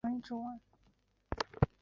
七世雪谦冉江仁波切是他的外孙。